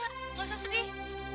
gak usah sedih